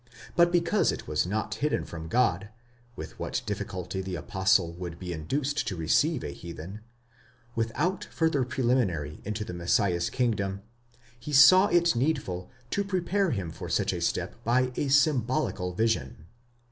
But because it was not hidden from God, with what difficulty the apostle would be induced to receive a heathen, without further preliminary, into the Messiah's kingdom, he saw it needful to prepare him for such a step by a symbolical vision.